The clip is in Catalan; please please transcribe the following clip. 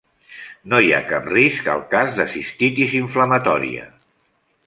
No hi ha cap risc al cas de cistitis inflamatòria.